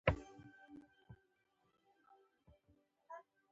د فلزي الو زنګ وهل د اکسیجن او اوسپنې له تعامل څخه دی.